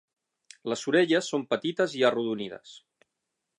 Les orelles són petites i arrodonides.